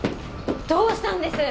どうしたんです！？